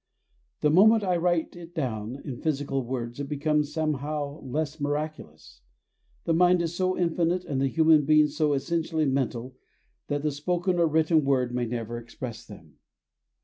The moment I write it down in physical words it becomes somehow less miraculous. The mind is so infinite and the human being so essentially mental, that the spoken or written word may never express them.